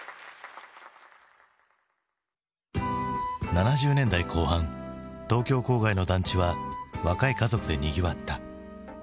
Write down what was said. ７０年代後半東京郊外の団地は若い家族でにぎわった。